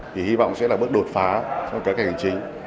thì hy vọng sẽ là bước đột phá trong các cảnh hình chính